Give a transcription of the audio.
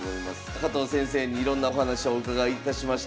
加藤先生にいろんなお話をお伺いいたしました。